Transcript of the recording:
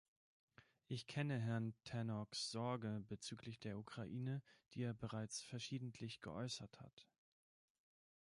Ich kenne Herrn Tannocks Sorge bezüglich der Ukraine, die er bereits verschiedentlich geäußert hat.